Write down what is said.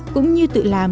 cũng như tự làm